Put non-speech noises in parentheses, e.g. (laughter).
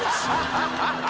ハハハ (laughs)